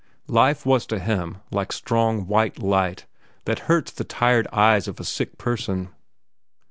Life was to him like strong, white light that hurts the tired eyes of a sick person.